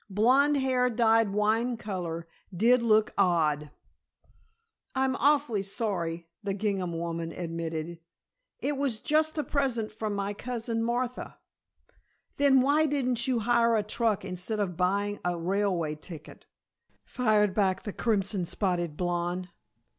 Blonde hair dyed wine color did look odd. "I'm awfully sorry," the gingham woman admitted. "It was just a present from my cousin Martha " "Then, why didn't you hire a truck instead of buying a railway ticket," fired back the crimson spotted blonde.